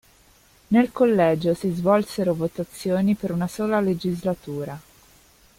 Nel collegio si svolsero votazioni per una sola legislatura.